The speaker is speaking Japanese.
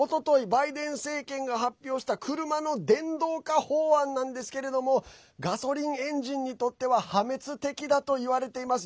バイデン政権が発表した車の電動化法案なんですけれどもガソリンエンジンにとっては破滅的だといわれています。